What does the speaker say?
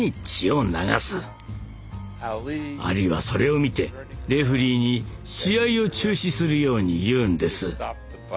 アリはそれを見てレフリーに試合を中止するように言うんです。